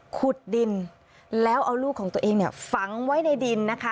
ขุดดินแล้วเอาลูกของตัวเองเนี่ยฝังไว้ในดินนะคะ